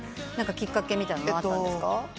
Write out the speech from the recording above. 何かきっかけみたいなのはあったんですか？